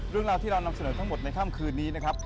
เรื่องราวที่เรานำเสนอทั้งหมดในค่ำคืนนี้นะครับ